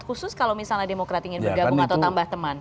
khusus kalau misalnya demokrat ingin bergabung atau tambah teman